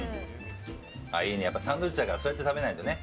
サンドイッチだからそうやって食べないとね。